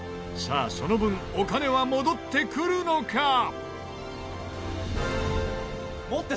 さあその分お金は戻ってくるのか？